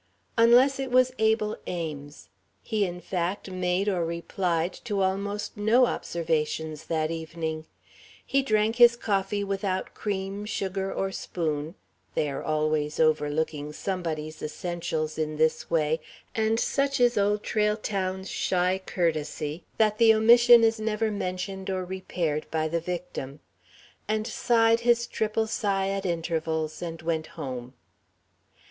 Unless it was Abel Ames. He, in fact, made or replied to almost no observations that evening. He drank his coffee without cream, sugar, or spoon, they are always overlooking somebody's essentials in this way, and such is Old Trail Town's shy courtesy that the omission is never mentioned or repaired by the victim, and sighed his triple sigh at intervals, and went home.